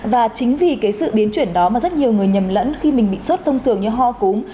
và chính vì cái sự biến chuyển đó mà rất nhiều người nhầm lẫn khi mình bị sốt thông thường như ho cúm